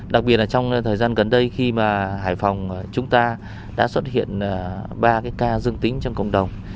đặc biệt trong thời gian gần đây khi hải phòng chúng ta đã xuất hiện ba ca dương tính trong cộng đồng